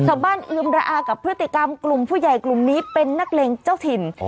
เอื้อมระอากับพฤติกรรมกลุ่มผู้ใหญ่กลุ่มนี้เป็นนักเลงเจ้าถิ่น